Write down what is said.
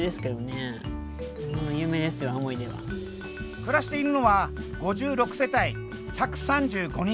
暮らしているのは５６世帯１３５人。